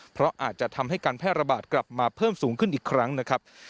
เพราะอาจจะทำให้การแพร่ระบาดกลับมาเพิ่มสูงขึ้นอีกครั้งนะครับ